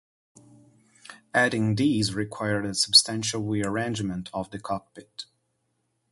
Adding these required a substantial rearrangement of the cockpit.